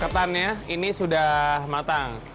ketannya ini sudah matang